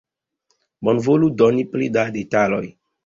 Bonvolu doni pli da detaloj